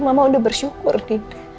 mama udah bersyukur dina